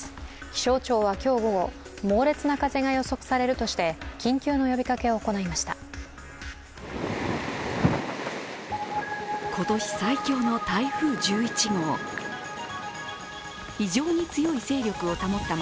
気象庁は今日午後、猛烈な風が予想されるとして緊急の呼びかけを行いました。